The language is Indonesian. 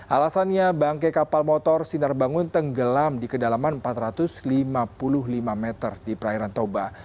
alasannya bangke kapal motor sinar bangun tenggelam di kedalaman empat ratus lima puluh lima meter di perairan toba